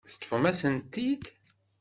Teṭṭfemt-asent-t-id.